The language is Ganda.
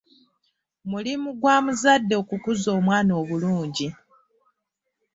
Mulimu gwa muzadde okukuza omwana obulungi